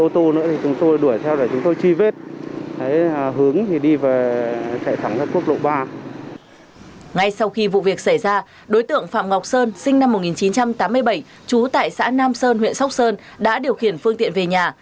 trú tại xã nam sơn huyện sóc sơn đã điều khiển phương tiện về nhà